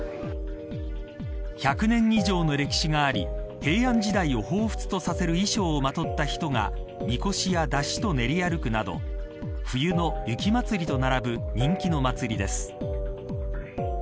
１００年以上の歴史があり平安時代をほうふつとさせる衣装をまとった人がみこしや山車と練り歩くなど冬の雪まつりと並ぶ人気の祭りです。